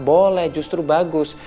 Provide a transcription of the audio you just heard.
boleh justru bagus